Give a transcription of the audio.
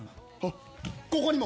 ここにも！